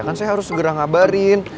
kan saya harus segera ngabarin